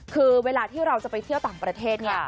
คือเวลาที่เราจะไปเที่ยวต่างประเทศเนี่ย